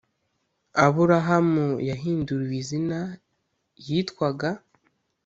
aburahamu yahinduriwe izina yitwaga